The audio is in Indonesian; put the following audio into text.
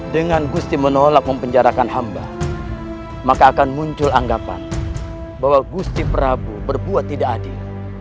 dengan gusti menolak mempenjarakan hamba maka akan muncul anggapan bahwa gusti prabu berbuat tidak adil